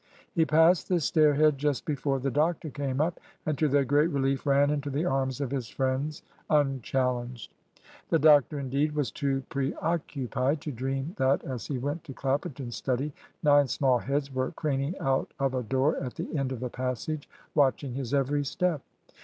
He passed the stair head just before the doctor came up, and to their great relief ran into the arms of his friends unchallenged. The doctor, indeed, was too pre occupied to dream that, as he went to Clapperton's study, nine small heads were craning out of a door at the end of the passage, watching his every step.